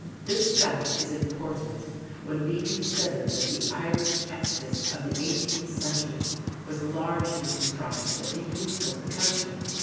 This fact is important when we consider that the Irish exodus of the eighteenth century was largely comprised of the youth of the country.